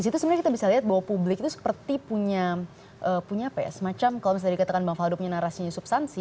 di situ sebenarnya kita bisa lihat bahwa publik itu seperti punya semacam kalau misalnya dikatakan bang faldo punya narasinya substansi